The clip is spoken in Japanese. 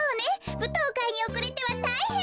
ぶとうかいにおくれてはたいへん。